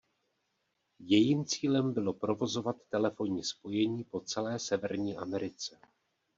Jejím cílem bylo provozovat telefonní spojení po celé Severní Americe.